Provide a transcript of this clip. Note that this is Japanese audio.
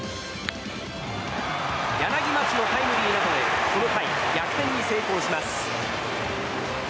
柳町のタイムリーなどでこの回、逆転に成功します。